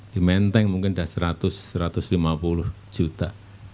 di menteng mungkin sudah seratus satu ratus lima puluh juta